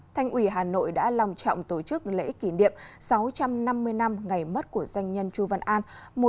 thanh ủy hà nội đã lòng trọng tổ chức lễ kỷ niệm sáu trăm năm mươi năm ngày mất của danh nhân chu văn an một nghìn ba trăm bảy mươi hai nghìn tám